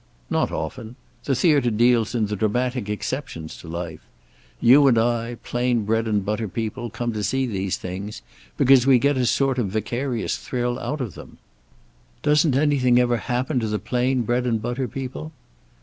"Not often. The theater deals in the dramatic exceptions to life. You and I, plain bread and butter people, come to see these things because we get a sort of vicarious thrill out of them." "Doesn't anything ever happen to the plain bread and butter people?"